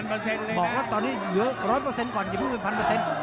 บอกว่าตอนนี้อยู่๑๐๐ก่อนอยู่เพิ่ง๑๐๐๐